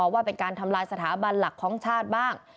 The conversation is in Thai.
ว่าเป็นการทำลายสถาบันหลักของชาติบ้าง